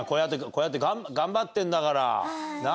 こうやって頑張ってるんだから。